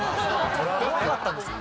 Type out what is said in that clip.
怖かったんですよ。